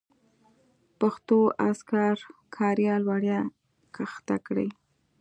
پښتو اذکار کاریال وړیا کښته کړئ.